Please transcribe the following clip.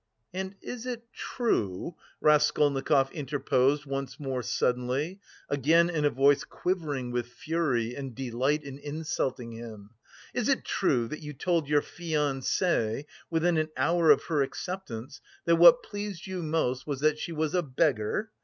"And is it true," Raskolnikov interposed once more suddenly, again in a voice quivering with fury and delight in insulting him, "is it true that you told your fiancée... within an hour of her acceptance, that what pleased you most... was that she was a beggar...